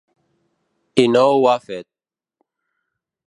I no ho ha fet.